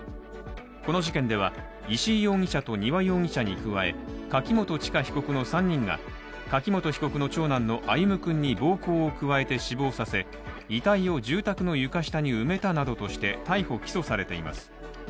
この事件では石井容疑者と丹羽容疑者に加え柿本知香被告の３人が柿本被告の長男の歩夢君を暴行を加えて死亡させ、遺体を住宅の床下に埋めたなどとして逮捕・起訴されています。